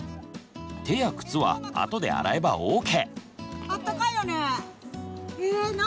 手や靴は後で洗えばＯＫ！